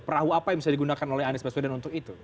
perahu apa yang bisa digunakan oleh anies baswedan untuk itu